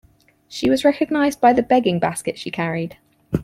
She was recognized by the begging basket she carried.